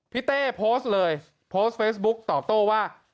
เต้โพสต์เลยโพสต์เฟซบุ๊กตอบโต้ว่า